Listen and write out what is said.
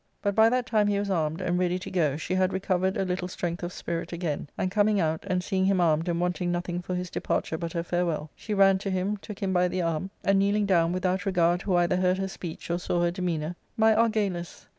But by that time he was armed and ready to go she had recovered a little strength of spirit again, and coming out, and seeing him armed and wanting nothing for his departure but her farewell, she ran to him, took him by the arm, and kneeling down, without regard who either heard her speech or saw her demeanour, " My Argalus